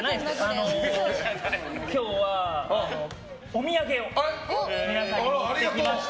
今日はお土産を皆さんに持ってきました。